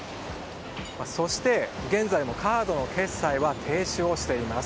そして、現在もカードの決済は停止しています。